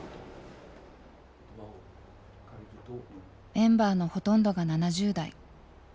メンバーのほとんどが７０代。